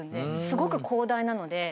すごく広大なので。